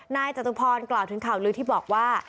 จตุพรกล่าวถึงข่าวลือที่บอกว่า